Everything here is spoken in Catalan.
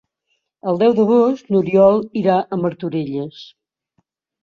El deu d'agost n'Oriol irà a Martorelles.